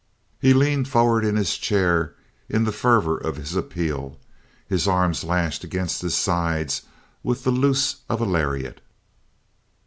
He leaned forward in his chair in the fervor of his appeal, his arms lashed against his sides with the loose of a lariat.